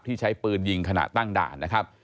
ใช้ปืนยิงขณะตั้งด่านนะครับ